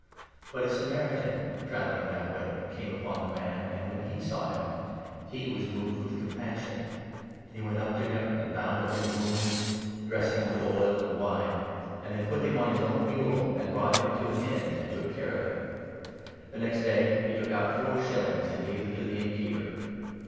But a Samaritan, travelling that way, came upon the man, and, 33 when he saw him, he was moved with compassion. He went 34 to him and bound up his wounds, dressing them with oil and wine, and then put him on his own mule, and brought him to an inn, and took care of him. The next day he took out 35 four shillings and gave them to the inn keeper.